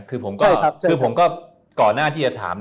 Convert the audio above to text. คือผมก็ก่อนหน้าที่จะถาม